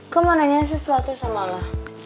gue mau nanya sesuatu sama lo